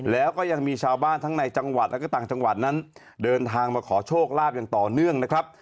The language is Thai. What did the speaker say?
แล้วก็ยังมีชาวบ้านทั้งในจังหวัดและก็ต่างจังหวัดนั้นเดินทางมาขอโชคลาภอย่างต่อเนื่องนะครับ